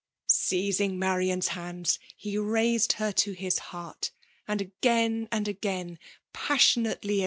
Seising Marian's hands, he raised her to hk heart ; and again and again passionately em 992